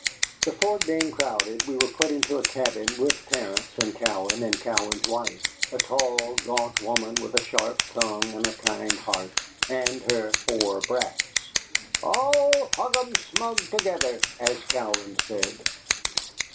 The fort being crowded, we were put into a cabin with Terence and Cowan and Cowan's wife a tall, gaunt woman with a sharp tongue and a kind heart and her four brats, "All hugemsmug together," as Cowan said.